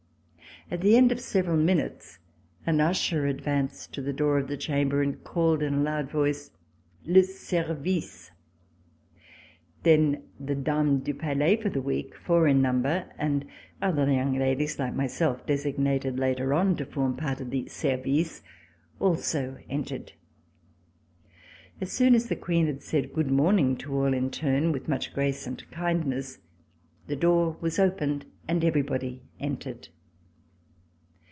At the end of several minutes an usher advanced to the door of the chamber and called in a loud voice: "Le service!" Then the Dames du Palais for the week, four in number, and other young ladies like myself desig nated later on to form part of the service also en tered. As soon as the Queen had said good morning to all in turn, with much grace and kindness, the door was opened and everybody entered.